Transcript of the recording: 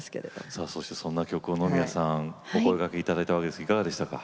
さあそしてそんな曲を野宮さんお声がけ頂いたわけですがいかがでしたか？